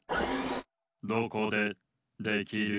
どこでできる？